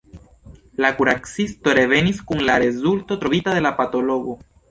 La kuracisto revenis kun la rezulto trovita de la patologo.